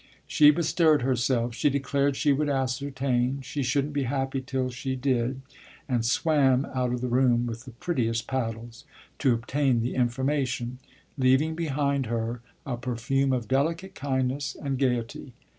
She bestirred herself; she declared she would ascertain, she shouldn't be happy till she did, and swam out of the room, with the prettiest paddles, to obtain the information, leaving behind her a perfume of delicate kindness and gaiety.